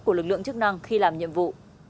của lực lượng chức năng khi làm nhiệm vụ